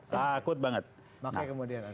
takut banget makanya kemudian